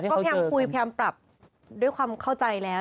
ก็แพงคุยแพงแบบด้วยความเข้าใจแล้ว